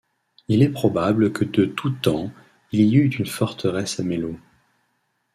Il est probable que de tout temps il y eut une forteresse à Mello.